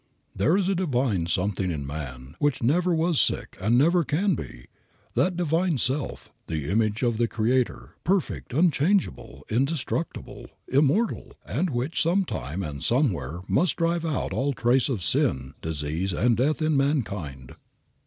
There is a divine something in man which never was sick and never can be, that divine self, the image of the Creator, perfect, unchangeable, indestructible, immortal, and which some time and somewhere must drive out all trace of sin, disease and death in mankind.